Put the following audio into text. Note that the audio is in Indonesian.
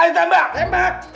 ayo tembak tembak